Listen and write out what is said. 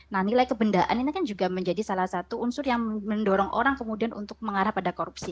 nah nilai kebendaan ini kan juga menjadi salah satu unsur yang mendorong orang kemudian untuk mengarah pada korupsi